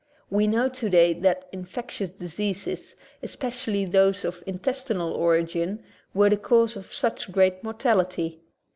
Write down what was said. We know today that infectious diseases, especially those of intes tinakorigin, were the cause of such great mor V tality.